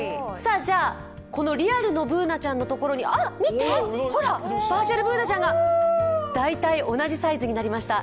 このリアルのＢｏｏｎａちゃんのところに見て、ほら、バーチャルＢｏｏｎａちゃんが、大体同じサイズになりました。